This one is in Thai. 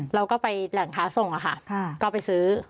เราก็ไปแหล่งค้าส่งค่ะก็ไปซื้อ